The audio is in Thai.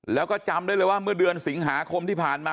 แล้วก็จำได้เลยว่าเมื่อเดือนสิงหาคมที่ผ่านมา